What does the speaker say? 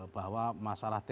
bahwa masyarakat itu